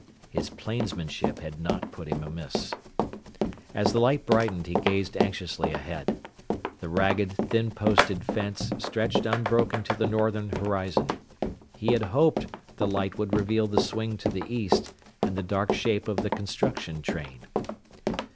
His plainsmanship had not put him amiss. As the light brightened he gazed anxiously ahead. The ragged, thin posted fence stretched unbroken to the northern horizon. He had hoped the light would reveal the swing to the east, and the dark shape of the construction train.